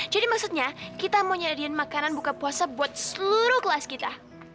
jadi maksudnya kita mau nyediain makanan buka puasa buat seluruh kelas kita